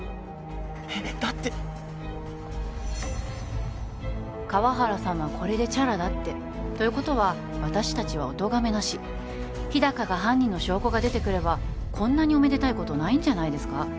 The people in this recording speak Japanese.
えっだって河原さんはこれでチャラだってということは私達はおとがめなし日高が犯人の証拠が出てくればこんなにおめでたいことないんじゃないですか？